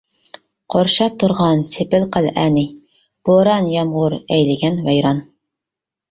قورشاپ تۇرغان سېپىل-قەلئەنى، بوران، يامغۇر ئەيلىگەن ۋەيران.